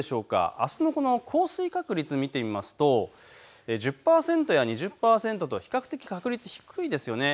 あすの降水確率を見ていきますと１０％や２０％と比較的確率低いですよね。